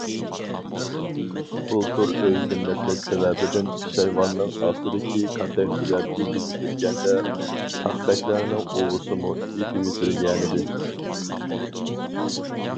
بۇلتۇر ئۆي زىننەتلەش سەۋەبىدىن پېشايۋاننىڭ ئاستىدىكى كاتەكچىلەر ئېتىۋېتىلگەندە پاختەكلەرنىڭ ئۇۋىسىمۇ ئېتىۋېتىلگەنىدى.